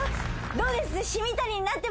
どうです？